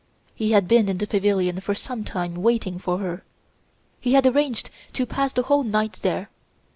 He had been in the pavilion for some time waiting for her. He had arranged to pass the whole night there.